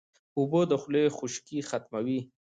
اوبه د خولې خشکي ختموي